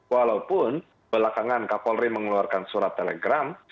walaupun belakangan kapolri mengeluarkan surat telegram